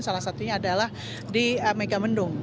salah satunya adalah di mega mendung